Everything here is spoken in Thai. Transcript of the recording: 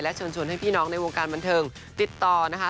เชิญชวนให้พี่น้องในวงการบันเทิงติดต่อนะคะ